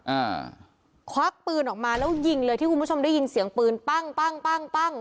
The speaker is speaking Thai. อ่าควักปืนออกมาแล้วยิงเลยที่คุณผู้ชมได้ยินเสียงปืนปั้งปั้งปั้งปั้ง